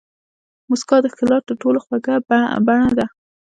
موسکا د ښکلا تر ټولو خوږه بڼه ده.